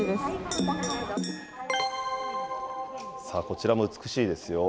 こちらも美しいですよ。